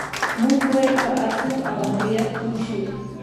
موږ باید په ارزښت او اهمیت یې پوه شو.